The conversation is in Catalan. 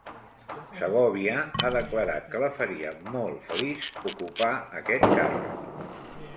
Segòvia ha declarat que la faria molt feliç ocupar aquest càrrec